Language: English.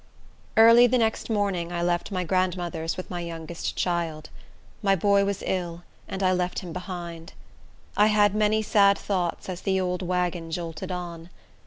Early the next morning I left my grandmother's with my youngest child. My boy was ill, and I left him behind. I had many sad thoughts as the old wagon jolted on.